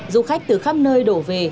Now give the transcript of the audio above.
du khách từ khắp nơi đổ về